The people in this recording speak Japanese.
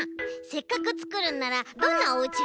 せっかくつくるんならどんなおうちがいい？